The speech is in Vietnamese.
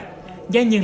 giai nhiên liệu biến động